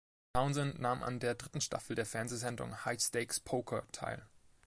Townsend nahm an der dritten Staffel der Fernsehsendung "High Stakes Poker" teil.